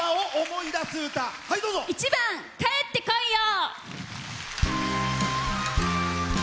１番「帰ってこいよ」。